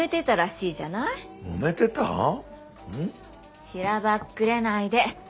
しらばっくれないで。